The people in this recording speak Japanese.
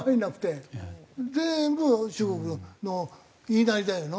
全部中国の言いなりだよな。